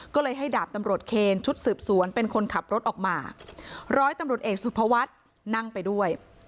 ก็เลยให้ดาบตำรวจเคนชุดสืบสวนเป็นคนขับรถออกมาร้อยตำรวจเอกสุภวัฒน์นั่งไปด้วย